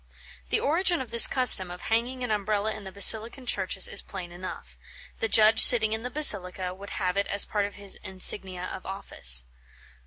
The origin of this custom of hanging an Umbrella in the Basilican churches is plain enough. The judge sitting in the basilica would have it as part of his insignia of office.